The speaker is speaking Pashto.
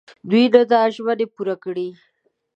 دوی نه دا ژمني پوره کړي.